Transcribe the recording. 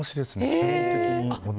基本的に。